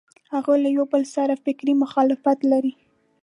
هغوی له یوبل سره فکري مخالفت لري.